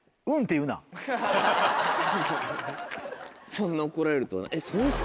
そんな怒られるとは。